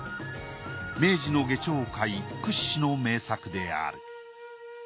明治の牙彫界屈指の名作である。